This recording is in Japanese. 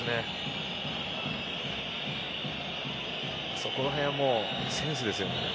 そこら辺はセンスですよね。